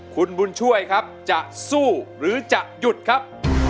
คุณบุญช่วยครับจะสู้หรือจะหยุดครับ